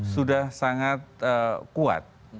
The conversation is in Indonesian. sudah sangat kuat